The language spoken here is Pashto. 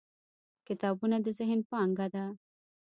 • کتابونه د ذهن پانګه ده.